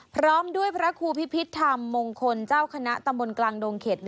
พร้อมด้วยพระครูพิพิษธรรมมงคลเจ้าคณะตำบลกลางดงเข็ด